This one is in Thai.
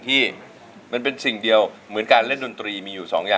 มีตรงไหนลูก